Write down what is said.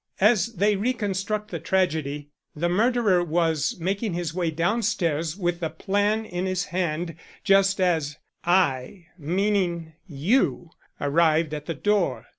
As they reconstruct the tragedy, the murderer was making his way downstairs with the plan in his hand just as I meaning you arrived at the door.